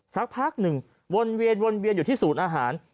สักพักหนึ่งวนเวียนวนเวียนอยู่ที่ศูนย์อาหาร